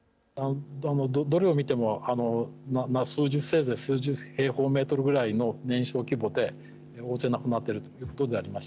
どれを見ても、せいぜい数十平方メートルぐらいの燃焼規模で、大勢亡くなっているということで。